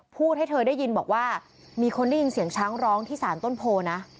ให้เธอได้ยินบอกว่ามีคนได้ยินเสียงช้างร้องที่สารต้นโพลนะ